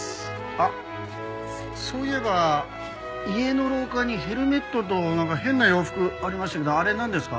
あっそういえば家の廊下にヘルメットとなんか変な洋服ありましたけどあれなんですか？